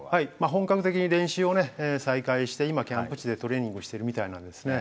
本格的に練習をね再開して今キャンプ地でトレーニングしてるみたいなんですね。